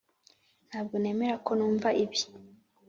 ntabwo nemera ko numva ibi.